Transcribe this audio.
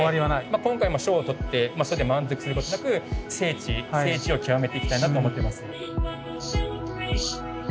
今回賞を取ってそれで満足することなく精緻精緻を極めていきたいなと思っています。